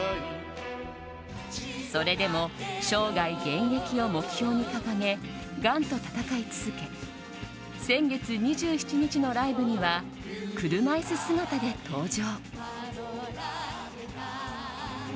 それでも生涯現役を目標に掲げがんと闘い続け先月２７日のライブには車椅子姿で登場。